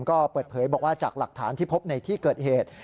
ก็เปิดเผยบอกว่าจากหลักฐานที่พบในที่เกิดเหตุ